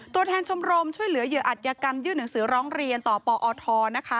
ตัวแทนชมรมช่วยเหลือเหยื่ออัตยกรรมยื่นหนังสือร้องเรียนต่อปอทนะคะ